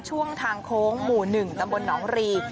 ช่วงทางโค้งหมู่๑ตำบลหนองรี